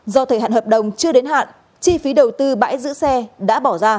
do thời hạn hợp đồng chưa đến hạn chi phí đầu tư bãi giữ xe đã bỏ ra